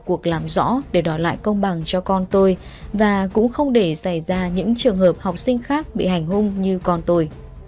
cuộc làm rõ để đòi lại công bằng cho con tôi và cũng không để xảy ra những trường hợp học sinh khác bị hành hung như con tôi